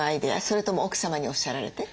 それとも奥様におっしゃられて？